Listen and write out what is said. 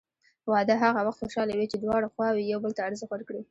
واده هغه وخت خوشحاله وي چې دواړه خواوې یو بل ته ارزښت ورکړي.